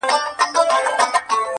خو پر زړه مي سپين دسمال د چا د ياد.